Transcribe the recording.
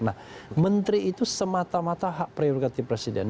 nah menteri itu semata mata hak prerogatif presiden